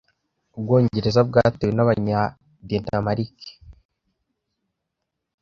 Ubwongereza bwatewe nabanya Danemark.